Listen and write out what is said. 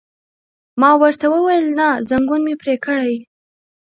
ما ورته وویل: نه، ځنګون مې پرې کړئ.